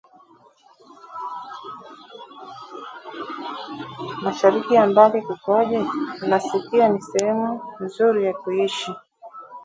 “mashariki ya mbali kukoje? Nasikia ni sehemu nzuri ya kuishi?”